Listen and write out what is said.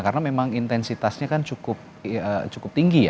karena memang intensitasnya kan cukup tinggi ya